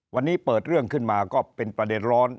วันนี้เปิดเรื่องขึ้นมาก็เป็นประเด็นร้อน